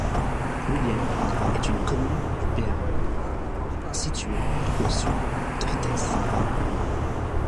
Loubieng est une commune du Béarn, située au sud d'Orthez.